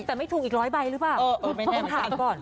แต่ไม่ถูกอีก๑๐๐ใบหรือเปล่าเออไม่แน่เหมือนกัน